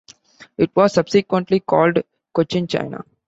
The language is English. It was subsequently called "Cochinchina".